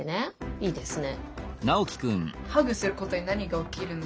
いいですね。